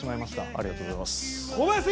ありがとうございます小林さん